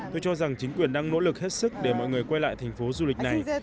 tôi cho rằng chính quyền đang nỗ lực hết sức để mọi người quay lại thành phố du lịch này